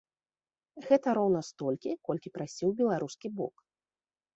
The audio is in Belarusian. Гэта роўна столькі, колькі прасіў беларускі бок.